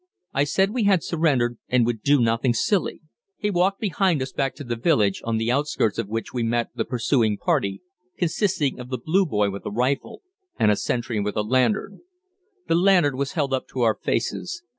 I said we had surrendered and would do nothing silly. He walked behind us back to the village, on the outskirts of which we met the pursuing party, consisting of the "Blue Boy" with a rifle and a sentry with a lantern. The lantern was held up to our faces.